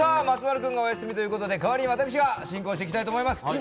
松丸君がお休みということで代わりに私が進行していきたいと思います。